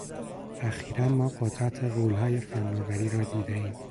اخیرا ما قدرت غولهای فنآوری را دیدهایم